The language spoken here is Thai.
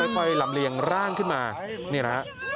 แล้วค่อยลำเลียงร่างขึ้นมานี่แหละครับ